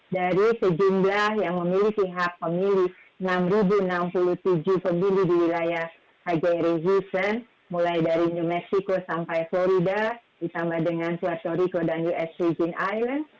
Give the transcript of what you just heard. dari sejumlah yang memiliki hak pemilih enam ribu enam puluh tujuh pemilu di wilayah kj resilien mulai dari new mexico sampai florida ditambah dengan puerto rico dan us region island